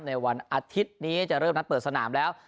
ในวันอาทิตย์นี้จะเริ่มนัดเปิดสนามแล้ว